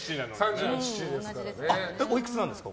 おいくつなんですか？